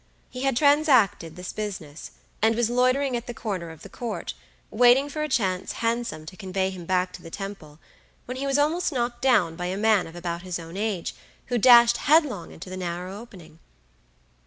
He had transacted this business, and was loitering at the corner of the court, waiting for a chance hansom to convey him back to the Temple, when he was almost knocked down by a man of about his own age, who dashed headlong into the narrow opening.